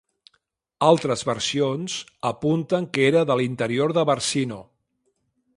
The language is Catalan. Altres versions apunten que era de l'interior de Barcino.